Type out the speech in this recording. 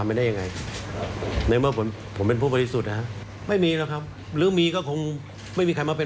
ฟังทุกวันแกก็พูดเหมือนเดิมทุกวัน